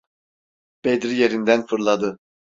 Bedri yerinden fırladı: